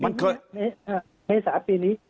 ในเมษาปีนี้